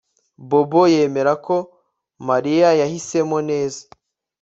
Bobo yemera ko Mariya yahisemo neza